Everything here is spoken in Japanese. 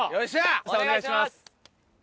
お願いします。